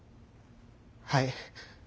はい。